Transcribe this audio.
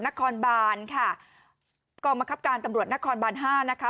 เป็นคนเสพเท่านั้นนะคะ